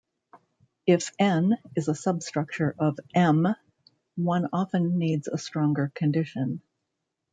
If "N" is a substructure of "M", one often needs a stronger condition.